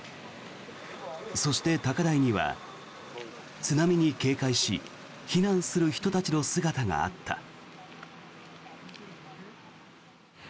そして高台には、津波に警戒し避難する人たちの姿があった。